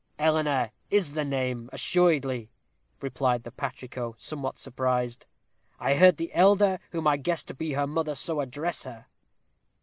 "Eleanor is the name, assuredly," replied the patrico, somewhat surprised. "I heard the elder, whom I guess to be her mother, so address her."